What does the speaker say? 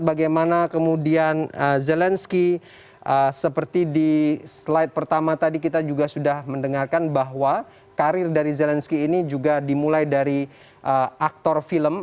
bagaimana kemudian zelensky seperti di slide pertama tadi kita juga sudah mendengarkan bahwa karir dari zelensky ini juga dimulai dari aktor film